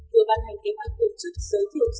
vừa ban hành kế hoạch tổ chức giáo dục